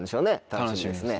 楽しみですね。